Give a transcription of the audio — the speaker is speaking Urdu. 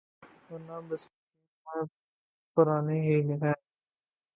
ورنہ بستیاں یہ پرانی ہی ہیں۔